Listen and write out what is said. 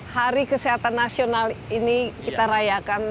hari kesehatan nasional ini kita rayakan